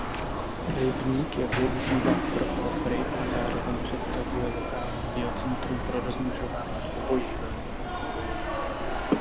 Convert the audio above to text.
Rybník je využíván pro chov ryb a zároveň představuje lokální biocentrum pro rozmnožování obojživelníků.